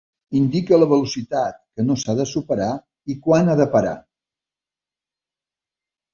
Indica la velocitat que no s'ha de superar, i quan ha de parar.